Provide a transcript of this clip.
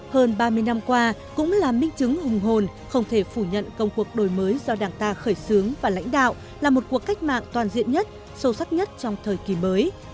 hơn ba mươi năm qua cũng là minh chứng hùng hồn không thể phủ nhận công cuộc đổi mới do đảng ta khởi xướng và lãnh đạo là một cuộc cách mạng toàn diện nhất sâu sắc nhất trong thời kỳ mới